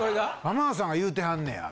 浜田さんが言うてはんねや。